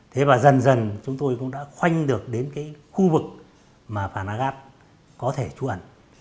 thế và dần dần chúng tôi cũng đã khoanh được đến cái khu vực mà phanagat có thể tru ẩn